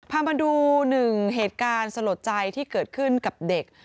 พามาดูหนึ่งเหตุการณ์สลดใจที่เกิดขึ้นกับเด็ก